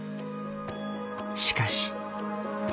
しかし。